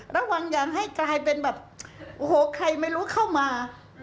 ระวังอย่างให้กลายเป็นแบบโอ้โหใครไม่รู้เข้ามา